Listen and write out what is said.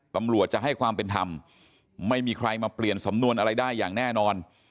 ตำรวจจะให้ความเป็นธรรมไม่มีใครมาเปลี่ยนสำนวนอะไรได้อย่างแน่นอน